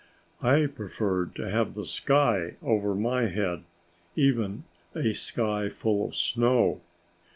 I preferred to have the sky over my head, even a sky full of snow.